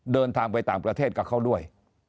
เดินทางไปต่างประเทศกับเขาด้วย